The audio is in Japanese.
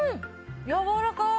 やわらかい。